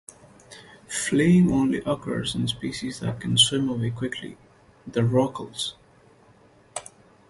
Fleeing only occurs in species that can swim away quickly, the rorquals.